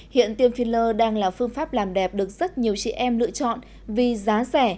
hiện tiêm filler đang là phương pháp làm đẹp được rất nhiều chị em lựa chọn vì giá rẻ